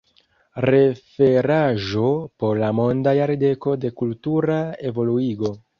Referaĵo por la Monda Jardeko de Kultura Evoluigo.